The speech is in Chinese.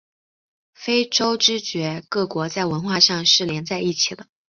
非洲之角各国在文化上是连在一起的。